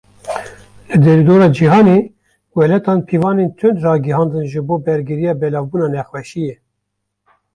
Li derûdora cîhanê, welatan pîvanên tund ragihandin ji bo bergiriya belavbûna nexweşiyê.